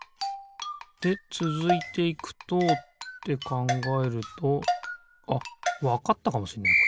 でつづいていくとってかんがえるとあっわかったかもしんない